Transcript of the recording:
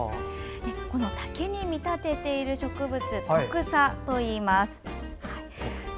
竹に見立てている植物はトクサといいます。